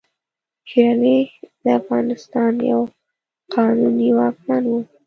شېر علي د افغانستان یو قانوني واکمن وو.